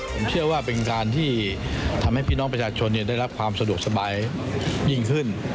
ผมเชื่อว่าเป็นการที่ทำให้พี่น้องประชาชนได้รับความสะดวกสบายยิ่งขึ้น